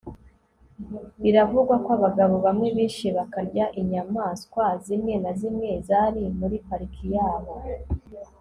Biravugwa ko abagabo bamwe bishe bakarya inyamaswa zimwe na zimwe zari muri pariki yaho